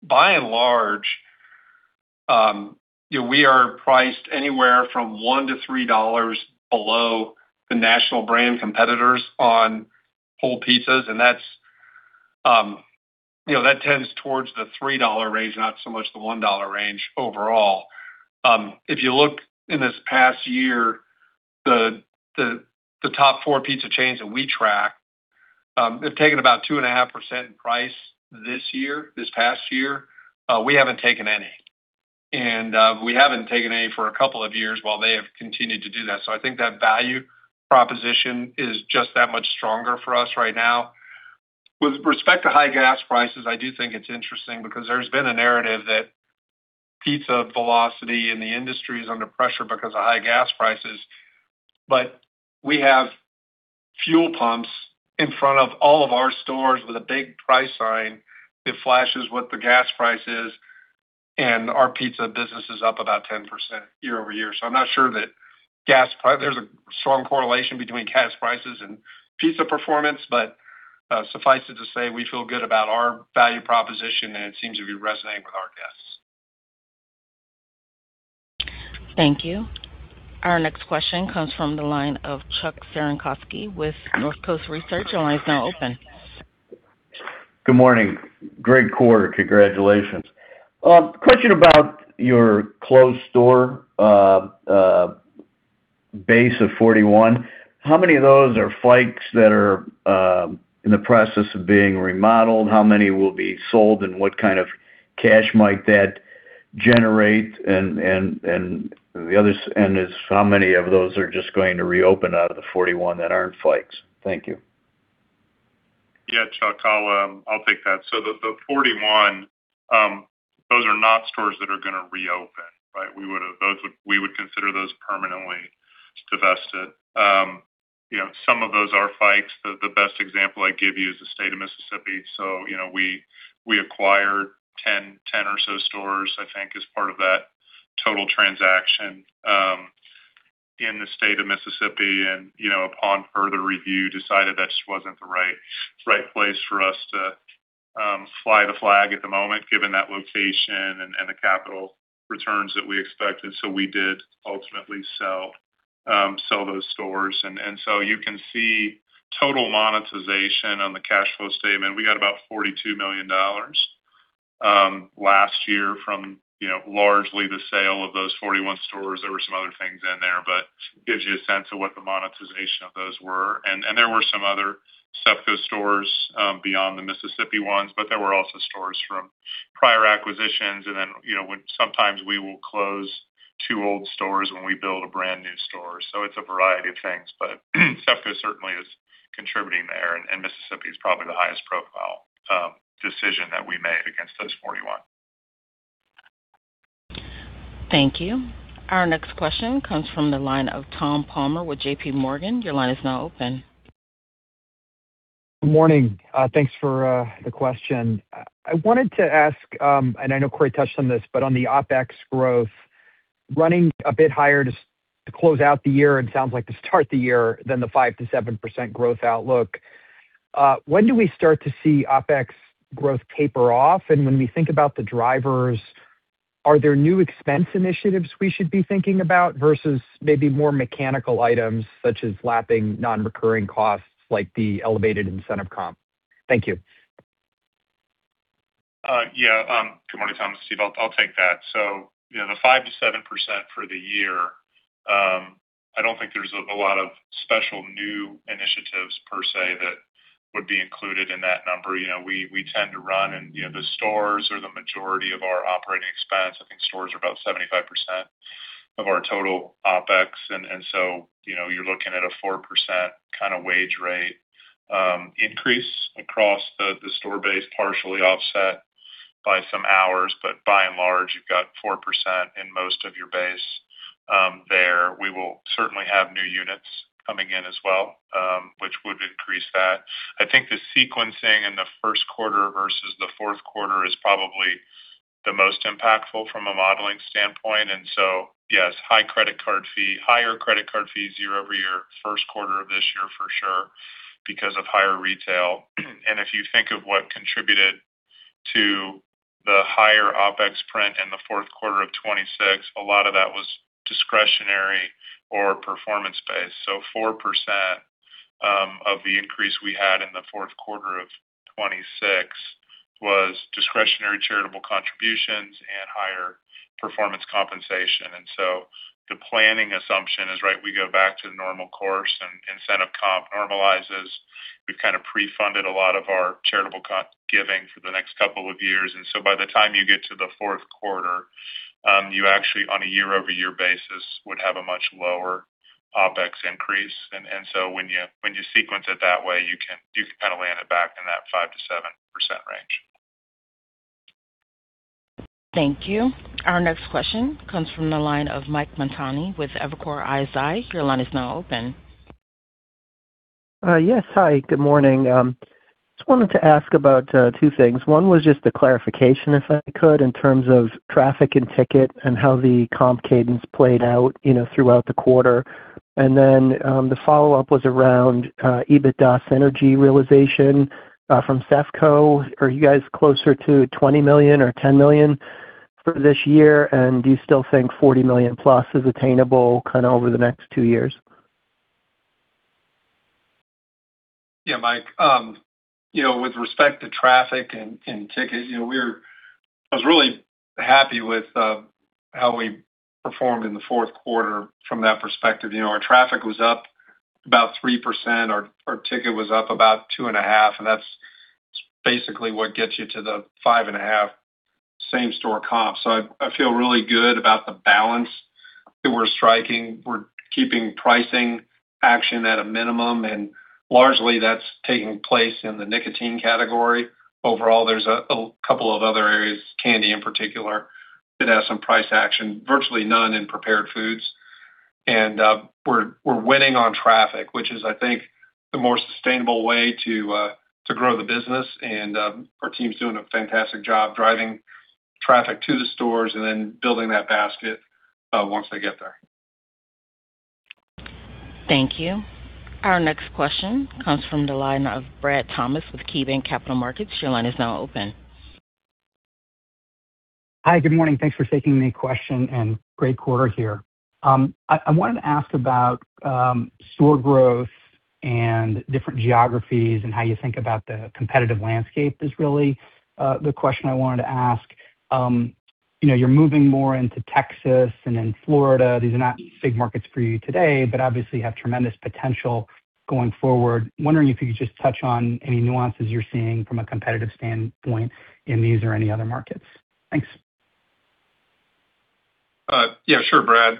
By and large, we are priced anywhere from $1-$3 below the national brand competitors on whole pizzas, and that tends towards the $3 range, not so much the $1 range overall. If you look in this past year, the top four pizza chains that we track have taken about 2.5% in price this past year. We haven't taken any. We haven't taken any for a couple of years while they have continued to do that. I think that value proposition is just that much stronger for us right now. With respect to high gas prices, I do think it's interesting because there's been a narrative that pizza velocity in the industry is under pressure because of high gas prices. We have fuel pumps in front of all of our stores with a big price sign that flashes what the gas price is, and our pizza business is up about 10% year-over-year. I'm not sure that there's a strong correlation between gas prices and pizza performance. Suffice it to say, we feel good about our value proposition, and it seems to be resonating with our guests. Thank you. Our next question comes from the line of Chuck Cerankosky with Northcoast Research. Your line is now open. Good morning. Great quarter. Congratulations. Question about your closed store base of 41. How many of those are Fikes that are in the process of being remodeled? How many will be sold, and what kind of cash might that generate? The other end is, how many of those are just going to reopen out of the 41 that aren't Fikes? Thank you. Yeah, Chuck, I'll take that. The 41, those are not stores that are going to reopen, right? We would consider those permanently divested. Some of those are Fikes. The best example I'd give you is the State of Mississippi. We acquired 10 or so stores, I think, as part of that total transaction in the State of Mississippi, and upon further review, decided that just wasn't the right place for us to fly the flag at the moment, given that location and the capital returns that we expected. We did ultimately sell those stores. You can see total monetization on the cash flow statement. We got about $42 million last year from largely the sale of those 41 stores. There were some other things in there, but gives you a sense of what the monetization of those were. There were some other CEFCO stores beyond the Mississippi ones, but there were also stores from prior acquisitions. Sometimes we will close two old stores when we build a brand-new store. It's a variety of things, but CEFCO certainly is contributing there, and Mississippi is probably the highest profile decision that we made against those 41. Thank you. Our next question comes from the line of Tom Palmer with JPMorgan. Your line is now open. Good morning. Thanks for the question. I wanted to ask, and I know Corey touched on this, but on the OpEx growth, running a bit higher to close out the year and sounds like to start the year than the 5%-7% growth outlook. When do we start to see OpEx growth taper off? When we think about the drivers, are there new expense initiatives we should be thinking about versus maybe more mechanical items such as lapping non-recurring costs like the elevated incentive comp? Thank you. Good morning, Tom. It's Steve. I'll take that. The 5%-7% for the year, I don't think there's a lot of special new initiatives per se, that would be included in that number. We tend to run the stores are the majority of our Operating Expenses. I think stores are about 75% of our total OpEx. You're looking at a 4% kind of wage rate increase across the store base, partially offset by some hours. By and large, you've got 4% in most of your base there. We will certainly have new units coming in as well, which would increase that. I think the sequencing in the first quarter versus the fourth quarter is probably the most impactful from a modeling standpoint. Yes, higher credit card fees year-over-year, first quarter of this year for sure, because of higher retail. If you think of what contributed to the higher OpEx print in the fourth quarter of 2026, a lot of that was discretionary or performance-based. 4% of the increase we had in the fourth quarter of 2026 was discretionary charitable contributions and higher performance compensation. The planning assumption is right. We go back to the normal course and incentive comp normalizes. We've kind of pre-funded a lot of our charitable giving for the next couple of years. By the time you get to the fourth quarter, you actually, on a year-over-year basis, would have a much lower OpEx increase. When you sequence it that way, you can kind of land it back in that 5%-7% range. Thank you. Our next question comes from the line of Mike Montani with Evercore ISI. Your line is now open. Hi, good morning. Just wanted to ask about two things. One was just a clarification, if I could, in terms of traffic and ticket and how the comp cadence played out throughout the quarter. The follow-up was around EBITDA synergy realization from CEFCO. Are you guys closer to $20 million or $10 million for this year? Do you still think $40 million+ is attainable kind of over the next two years? Yeah, Mike. With respect to traffic and ticket, I was really happy with how we performed in the fourth quarter from that perspective. Our traffic was up about 3%. Our ticket was up about 2.5%, and that's basically what gets you to the 5.5% same store comp. I feel really good about the balance that we're striking. We're keeping pricing action at a minimum, and largely that's taking place in the nicotine category. Overall, there's a couple of other areas, candy in particular, that has some price action, virtually none in Prepared Food. We're winning on traffic, which is, I think, the more sustainable way to grow the business. Our team's doing a fantastic job driving traffic to the stores and then building that basket once they get there. Thank you. Our next question comes from the line of Brad Thomas with KeyBanc Capital Markets. Your line is now open. Hi, good morning. Thanks for taking the question, and great quarter here. I wanted to ask about store growth and different geographies and how you think about the competitive landscape is really the question I wanted to ask. You're moving more into Texas and then Florida. These are not big markets for you today, but obviously have tremendous potential going forward. Wondering if you could just touch on any nuances you're seeing from a competitive standpoint in these or any other markets. Thanks. Yeah, sure, Brad.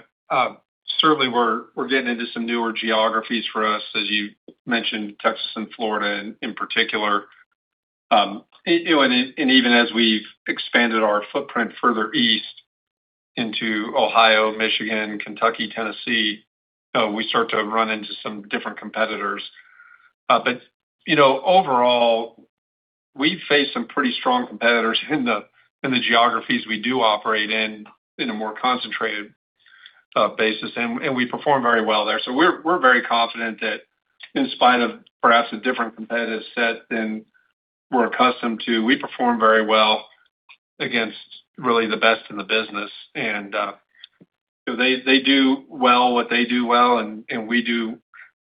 Certainly, we're getting into some newer geographies for us, as you mentioned, Texas and Florida in particular. Even as we've expanded our footprint further east into Ohio, Michigan, Kentucky, Tennessee, we start to run into some different competitors. Overall, we face some pretty strong competitors in the geographies we do operate in a more concentrated-basis, and we perform very well there. So we're very confident that in spite of perhaps a different competitive set than we're accustomed to, we perform very well against really the best in the business. They do well what they do well, and we do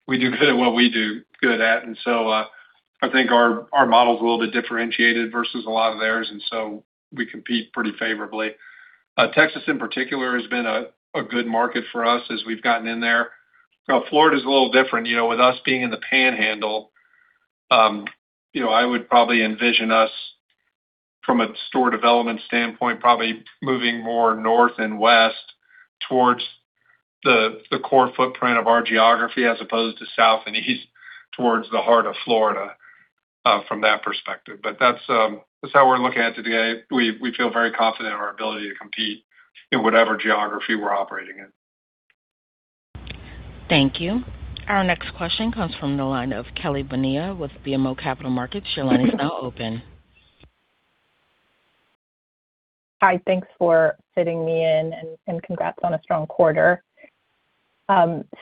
good at what we do good at. I think our model is a little bit differentiated versus a lot of theirs, and so we compete pretty favorably. Texas in particular has been a good market for us as we've gotten in there. Florida's a little different. With us being in the Panhandle, I would probably envision us from a store development standpoint, probably moving more north and west towards the core footprint of our geography as opposed to south and east towards the heart of Florida, from that perspective. That's how we're looking at it today. We feel very confident in our ability to compete in whatever geography we're operating in. Thank you. Our next question comes from the line of Kelly Bania with BMO Capital Markets. Your line is now open. Hi, thanks for fitting me in, congrats on a strong quarter.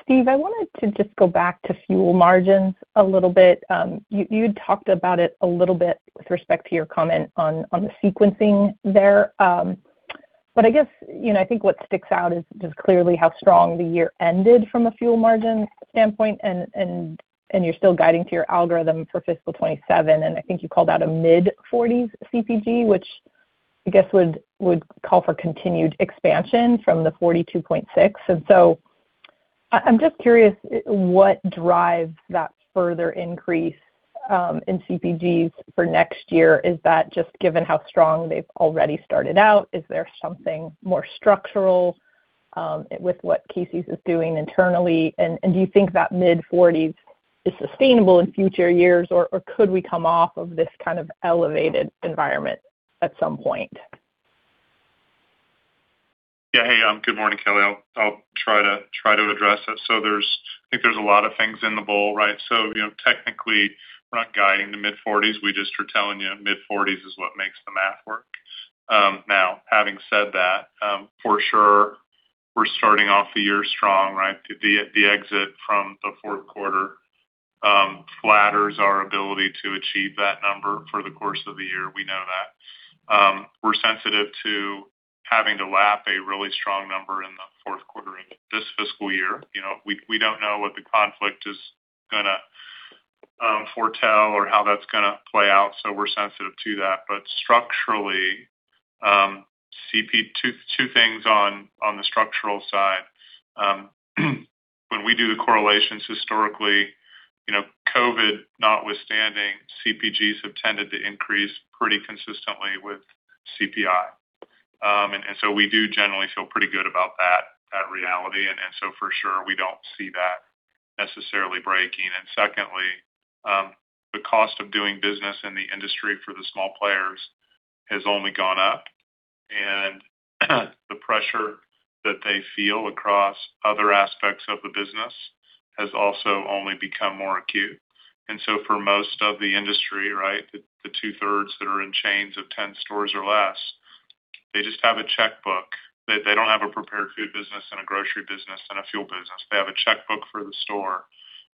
Steve, I wanted to just go back to fuel margins a little bit. You'd talked about it a little bit with respect to your comment on the sequencing there. I guess, I think what sticks out is just clearly how strong the year ended from a fuel margin standpoint and you're still guiding to your algorithm for fiscal 2027, I think you called out a mid-40 CPG, which I guess would call for continued expansion from the 42.6. I'm just curious what drives that further increase in CPGs for next year. Is that just given how strong they've already started out? Is there something more structural with what Casey's is doing internally? Do you think that mid-40s is sustainable in future years, or could we come off of this kind of elevated environment at some point? Yeah. Hey, good morning, Kelly. I'll try to address that. I think there's a lot of things in the bowl, right? Technically, we're not guiding the mid-40s. We just are telling you mid-40s is what makes the math work. Now, having said that, for sure, we're starting off the year strong, right? The exit from the fourth quarter flatters our ability to achieve that number for the course of the year, we know that. We're sensitive to having to lap a really strong number in the fourth quarter in this fiscal year. We don't know what the conflict is going to foretell or how that's going to play out, so we're sensitive to that. Two things on the structural side. When we do the correlations historically, COVID notwithstanding, CPGs have tended to increase pretty consistently with CPI. We do generally feel pretty good about that reality, for sure, we don't see that necessarily breaking. Secondly, the cost of doing business in the industry for the small players has only gone up, and the pressure that they feel across other aspects of the business has also only become more acute. For most of the industry, right, the two-thirds that are in chains of 10 stores or less, they just have a checkbook. They don't have a prepared food business and a grocery business and a fuel business. They have a checkbook for the store.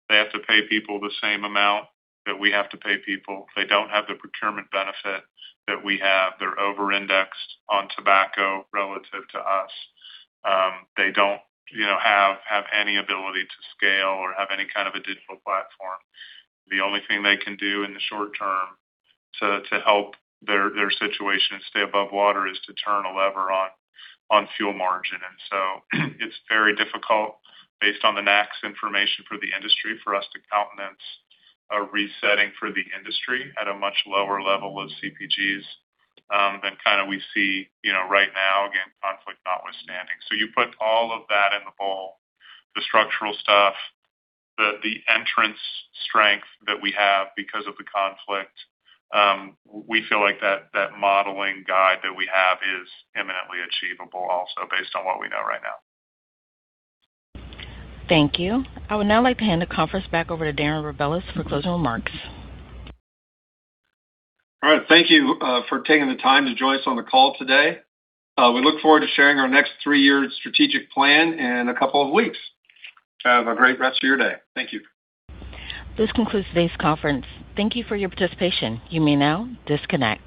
They have to pay people the same amount that we have to pay people. They don't have the procurement benefit that we have. They're over-indexed on tobacco relative to us. They don't have any ability to scale or have any kind of a digital platform. The only thing they can do in the short term to help their situation stay above water is to turn a lever on fuel margin. It's very difficult based on the NACS information for the industry, for us to countenance a resetting for the industry at a much lower level of CPGs than kind of we see right now, again, conflict notwithstanding. You put all of that in the bowl, the structural stuff, the entrance strength that we have because of the conflict. We feel like that modeling guide that we have is imminently achievable also based on what we know right now. Thank you. I would now like to hand the conference back over to Darren Rebelez for closing remarks. All right. Thank you for taking the time to join us on the call today. We look forward to sharing our next three-year strategic plan in a couple of weeks. Have a great rest of your day. Thank you. This concludes today's conference. Thank you for your participation. You may now disconnect.